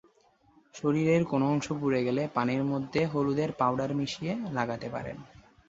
শরীরের কোনো অংশ পুড়ে গেলে পানির মধ্যে হলুদের পাউডার মিশিয়ে লাগাতে পারেন।